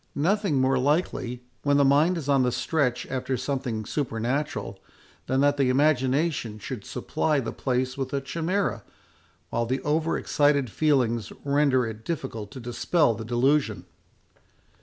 Nothing more likely, when the mind is on the stretch after something supernatural, than that the imagination should supply the place with a chimera, while the over excited feelings render it difficult to dispel the delusion."